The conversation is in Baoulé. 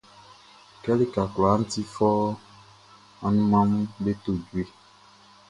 Kɛ lika kwlaa ti fɔuunʼn, anunmanʼm be to jue.